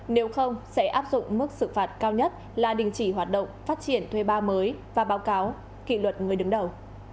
nếu không sẽ áp dụng mức xử phạt cao nhất là đình chỉ hoạt động phát triển thuê ba mới và báo cáo kỷ luật người đứng đầu